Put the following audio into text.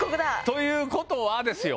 ということはですよ。